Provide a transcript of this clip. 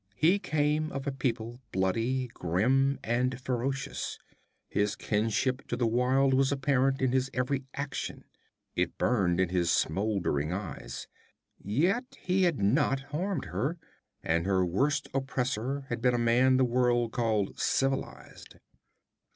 He came of a people bloody, grim and ferocious. His kinship to the wild was apparent in his every action; it burned in his smoldering eyes. Yet he had not harmed her, and her worst oppressor had been a man the world called civilized.